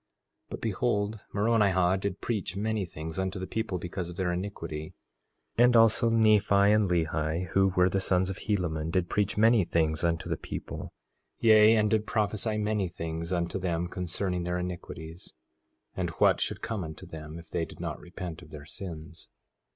4:14 But behold, Moronihah did preach many things unto the people because of their iniquity, and also Nephi and Lehi, who were the sons of Helaman, did preach many things unto the people, yea, and did prophesy many things unto them concerning their iniquities, and what should come unto them if they did not repent of their sins.